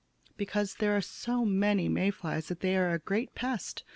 "Because there are so many May flies that they are a great pest.